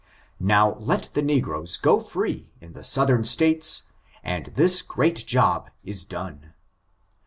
Now let the negroes go free in the southern states, and this great job is done.